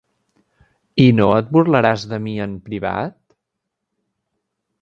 I no et burlaràs de mi en privat?